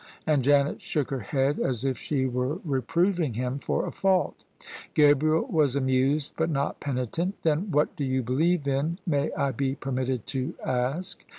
And Janet shook her head as if she were reproving him for a fault Gabriel was amused, but not penitent " Then what do you believe in, may I be permitted to ask?